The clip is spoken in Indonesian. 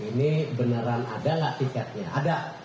ini beneran ada gak tiketnya ada